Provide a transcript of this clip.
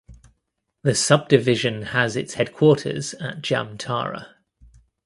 The subdivision has its headquarters at Jamtara.